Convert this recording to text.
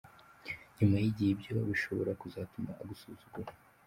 Nyuma y’igihe ibyo bishobora kuzatuma agusuzugura.